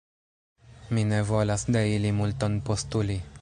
Mi ne volas de ili multon postuli.